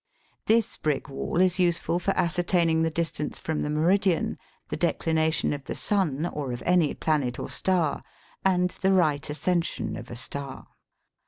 This brick wall is useful for ascertaining the distance from the meridian, the declination of the sun or of any planet or star, and the right ascen sion of a star.